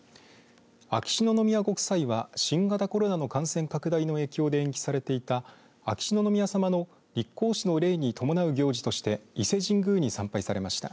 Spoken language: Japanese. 秋篠宮ご夫妻は新型コロナの感染拡大の影響で延期されていた、秋篠宮さまの立皇嗣の礼に伴う行事として伊勢神宮に参拝されました。